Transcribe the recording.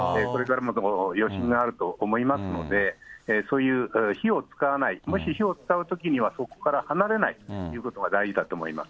これからも余震もあると思いますので、そういう火を使わない、もし火を使うときにはそこから離れないということが大事だと思い